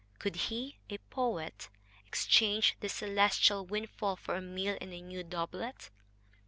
Could he, a poet, exchange this celestial windfall for a meal and a new doublet?